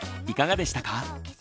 いかがでしたか？